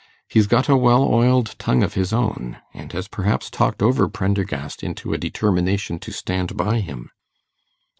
He's got a well oiled tongue of his own, and has perhaps talked over Prendergast into a determination to stand by him.